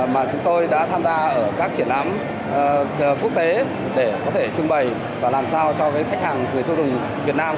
mà chúng tôi đã tham gia ở các triển lãm quốc tế để có thể trưng bày và làm sao cho khách hàng người tiêu dùng việt nam